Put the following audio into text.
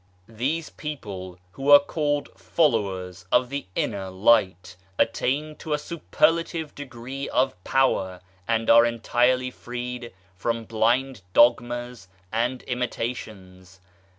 These people, who are called " Followers of the Inner Light," attain to a superlative degree of power, and are entirely freed from blind dogmas and imitations.